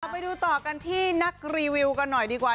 ไปดูต่อกันที่นักรีวิวกันหน่อยดีกว่า